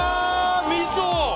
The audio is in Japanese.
みそ！